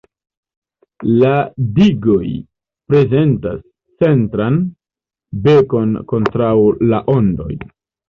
La digoj prezentas centran "bekon" kontraŭ la ondoj.